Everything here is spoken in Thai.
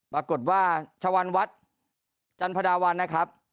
ปรากฏว่าชะวันวัดจันทดาวันนะครับ